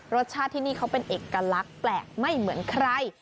รสชาติที่นี่เขาเป็นเอกลักษณ์แปลกไม่เหมือนใคร